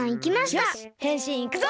よしへんしんいくぞ！